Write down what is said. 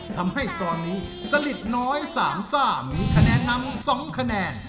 ทำให้ตอนนี้สลิดน้อยสามซ่ามีคะแนนนำ๒คะแนน